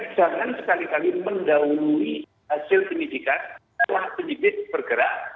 jangan sekali kali mendahului hasil penyidikan setelah penyidik bergerak